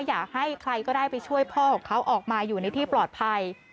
อยากให้ใครก็ได้ไปช่วยพ่อของเขาออกมาอยู่ในที่ปลอดภัย